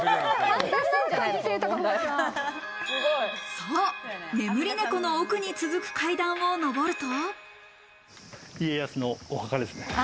そう、眠り猫の奥に続く階段を上ると。